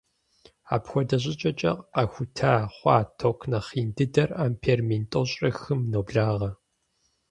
Апхуэдэ щӏыкӏэкӏэ къахута хъуа ток нэхъ ин дыдэр ампер мин тӏощӏрэ хым ноблагъэ.